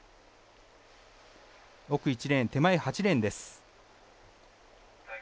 奥１レーン、手前８レーンです。